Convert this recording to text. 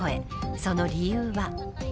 その理由は。